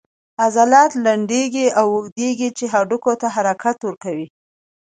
عضلات لنډیږي او اوږدیږي چې هډوکو ته حرکت ورکوي